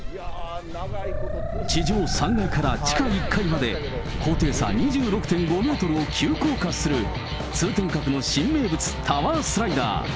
地上３階から地下１階まで高低差２６．５メートルを急降下する、通天閣の新名物、タワースライダー。